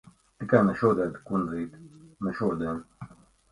Tikai ne šodien, kundzīt. Ne šodien!